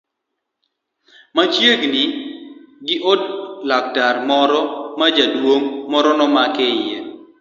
Machiegni gi od laktar moro ma jaduong' moro nomake iye.